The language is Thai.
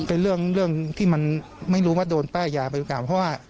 เป็นเรื่องที่ยังมันไม่รู้ว่าโดนป้ายยาเป็นุกกาล